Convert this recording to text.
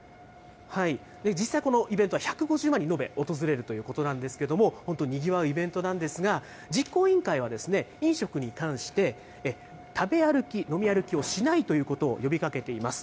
実際このイベントは１５０万人、延べ、訪れるということなんですけれども、本当、にぎわうイベントなんですが、実行委員会は飲食に関して、食べ歩き、飲み歩きをしないということを呼びかけています。